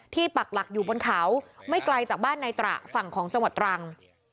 ปักหลักอยู่บนเขาไม่ไกลจากบ้านในตระฝั่งของจังหวัดตรัง